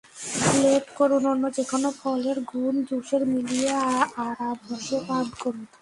Blend করুন, অন্য যেকোনো ফলের ঘুন জুসের মিলিয়ে আরামসে পান করুন।